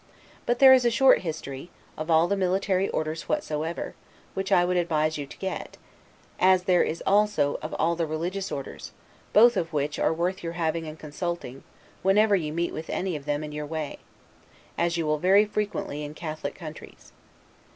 But there is a short history, of all the military orders whatsoever, which I would advise you to get, as there is also of all the religious orders; both which are worth your having and consulting, whenever you meet with any of them in your way; as, you will very frequently in Catholic countries.